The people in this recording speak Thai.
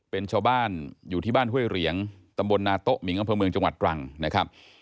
เป็นชาวบ้านอยู่ที่บ้านห้วยเหรียงตำบลนาโต๊ะหมิงอำเภอเมืองจังหวัดตรังนะครับ